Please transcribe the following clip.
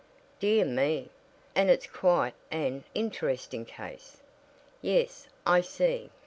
"Dear me! And it's quite an interesting case! Yes, I see.